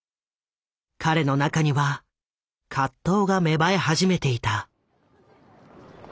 彼の中には葛藤が芽生え始めていた。